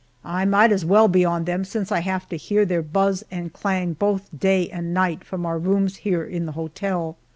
I might as well be on them, since I have to hear their buzz and clang both day and night from our rooms here in the hotel.